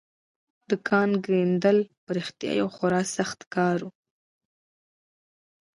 د کان کیندل په رښتيا يو خورا سخت کار و.